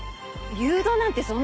誘導なんてそんな。